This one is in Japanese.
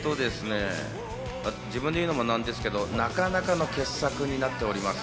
自分でいうのもなんですけど、なかなかの傑作になっております。